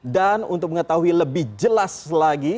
dan untuk mengetahui lebih jelas lagi